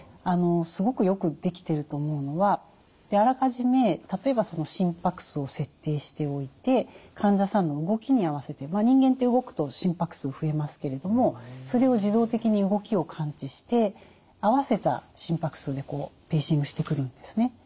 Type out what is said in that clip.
すごくよく出来てると思うのはあらかじめ例えば心拍数を設定しておいて患者さんの動きに合わせて人間って動くと心拍数増えますけれどもそれを自動的に動きを感知して合わせた心拍数でペーシングしてくるんですね。